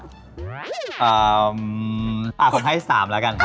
อะผมให้๓แล้วกันค่ะ